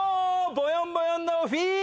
ぼよんぼよんのふぃー